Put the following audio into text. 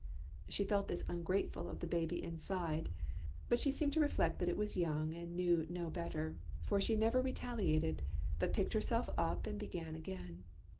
She felt this ungrateful of the baby inside; but she seemed to reflect that it was young and knew no better, for she never retaliated, but picked herself up and began again.